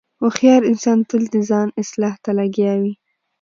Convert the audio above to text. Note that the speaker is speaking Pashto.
هوښیار انسان تل د ځان اصلاح ته لګیا وي.